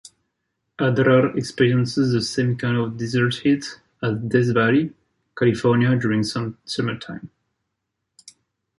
Adrar experiences the same kind of desert heat as Death Valley, California during summertime.